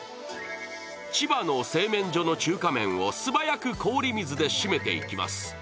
千葉の製麺所の中華麺を素早く氷水でしめていきます。